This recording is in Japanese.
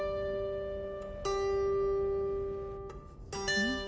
うん？